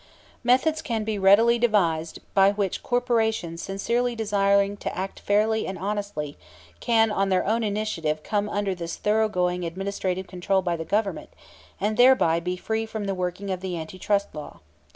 Methods can readily be devised by which corporations sincerely desiring to act fairly and honestly can on their own initiative come under this thoroughgoing administrative control by the Government and thereby be free from the working of the Anti Trust Law.